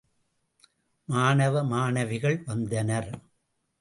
மாணவ, மாணவிகள் வந்தனர்.